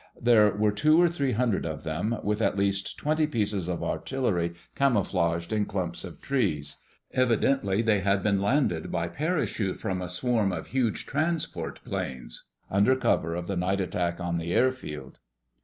There were two or three hundred of them, with at least twenty pieces of artillery camouflaged in clumps of trees. Evidently they had been landed by parachute from a swarm of huge transport planes, under cover of the night attack on the air field.